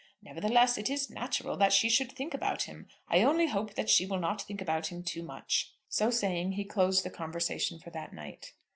Nevertheless, it is natural that she should think about him. I only hope that she will not think about him too much." So saying he closed the conversation for that night.